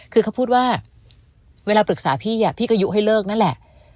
คือเขาพูดว่าเวลาปรึกษาพี่พี่ก็ยุให้เลิกนั่นแหละ